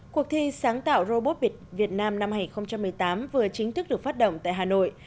cuộc thi sáng tạo robot việt nam năm hai nghìn một mươi tám vừa chính thức được phát động tại hà nội